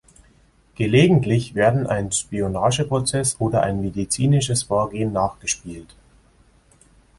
Gelegentlich werden ein Spionageprozess oder ein medizinisches Vorgehen nachgespielt.